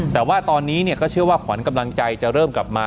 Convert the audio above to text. แต่ว่าตอนนี้ก็เชื่อว่าขวัญกำลังใจจะเริ่มกลับมา